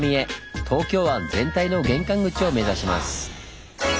東京湾全体の玄関口を目指します。